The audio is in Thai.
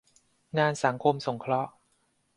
งานสังคมสงเคราะห์